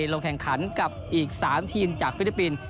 ลงแข่งขันกับอีก๓ทีมจากฟิลิปปินส์